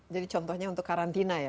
contohnya untuk karantina ya